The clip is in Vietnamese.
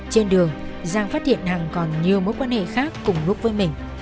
trên đường giang phát hiện hằng còn nhiều mối quan hệ khác cùng lúc với mình